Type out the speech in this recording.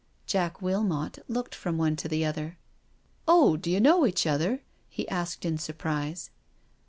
Jack Wilmot looked from one to the other. "Oh, do you know each other?" he asked in sur prise.